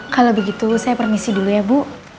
kalau begitu saya permisi dulu ya bu